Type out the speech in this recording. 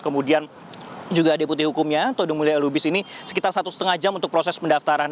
kemudian juga deputi hukumnya todung mulia lubis ini sekitar satu lima jam untuk proses pendaftaran